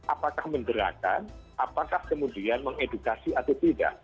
apakah menderakan apakah kemudian mengedukasi atau tidak